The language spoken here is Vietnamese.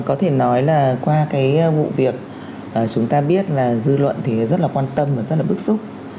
có thể nói là qua vụ việc chúng ta biết dư luận rất quan tâm và rất bức xúc